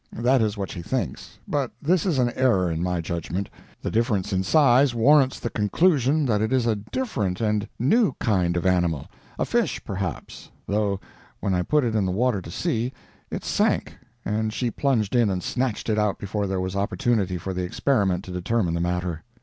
That is what she thinks, but this is an error, in my judgment. The difference in size warrants the conclusion that it is a different and new kind of animal a fish, perhaps, though when I put it in the water to see, it sank, and she plunged in and snatched it out before there was opportunity for the experiment to determine the matter.